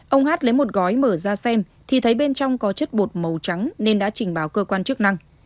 ông hát lấy một gói mở ra xem thì thấy bên trong có chất bột màu trắng nên đã trình báo cơ quan chức năng